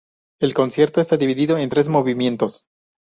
El concierto está dividido en tres movimientos.